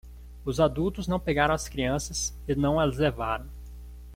Os adultos não pegaram as crianças e não as levaram